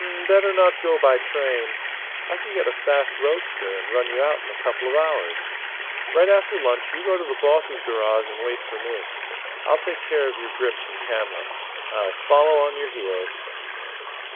"Better not go by train. I can get a fast roadster and run you out in a couple of hours. Right after lunch you go to the boss's garage and wait for me. I'll take care of your grips and camera. I'll follow on your heels."